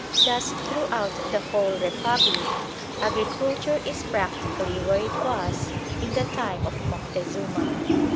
Thus throughout the whole Republic agriculture is practically where it was in the time of Moctezuma.